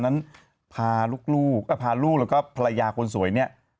ที่จะหาเวลานั้นพาลูกแล้วก็ภรรยาคนสวยเนี่ย